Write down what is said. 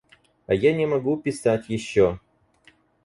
А я не могу писать еще.